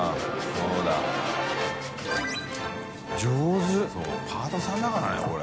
そうパートさんだからねこれ。